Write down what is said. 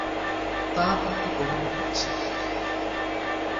তাঁর একটি বড় মুকুট ছিল।